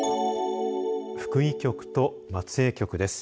福井局と松江局です。